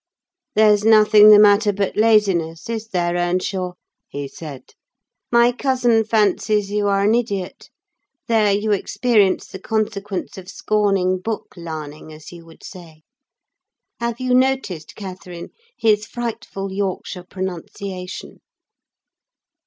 "There's nothing the matter but laziness; is there, Earnshaw?" he said. "My cousin fancies you are an idiot. There you experience the consequence of scorning 'book larning,' as you would say. Have you noticed, Catherine, his frightful Yorkshire pronunciation?"